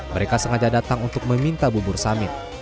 mereka sengaja datang untuk meminta bubur samit